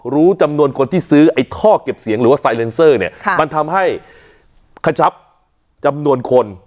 รู้จำนวนคนที่ซื้อไอ้ท่อเก็บเสียงหรือว่าไซเลนเซอร์เนี่ยมันทำให้ขชับจำนวนคน